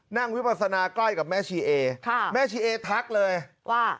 วิปัสนาใกล้กับแม่ชีเอค่ะแม่ชีเอทักเลยว่า